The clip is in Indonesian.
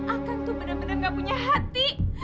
akang tuh bener bener gak punya hati